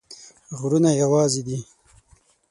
غرونه یوازي دي